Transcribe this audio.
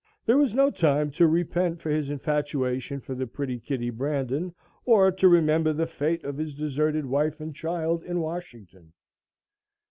There was no time to repent for his infatuation for the pretty Kitty Brandon, or to remember the fate of his deserted wife and child in Washington.